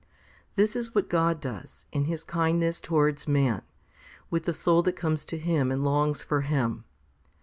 This is what God does, in His kind ness towards man, with the soul that comes to Him and longs for Him.